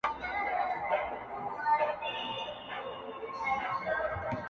د کېږدۍ تر ماښامونو د ګودر ترانې وړمه -